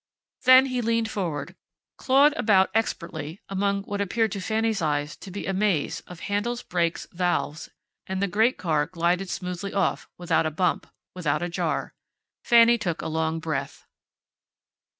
Then he leaned forward, clawed about expertly among what appeared to Fanny's eyes to be a maze of handles, brakes, valves; and the great car glided smoothly off, without a bump, without a jar. Fanny took a long breath.